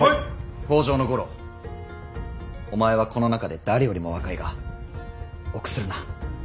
北条五郎お前はこの中で誰よりも若いが臆するな。